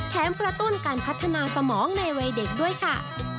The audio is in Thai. กระตุ้นการพัฒนาสมองในวัยเด็กด้วยค่ะ